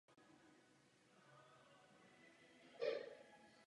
Doprovázel jeho sestru Alžbětu ke sňatku s polským králem Kazimírem.